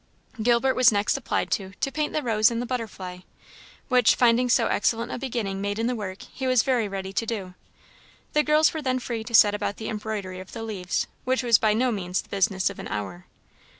Gilbert was next applied to, to paint the rose and the butterfly, which, finding so excellent a beginning made in the work, he was very ready to do. The girls were then free to set about the embroidery of the leaves, which was by no means the business of an hour.